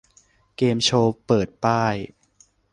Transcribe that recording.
เกมโชว์เปิดป้าย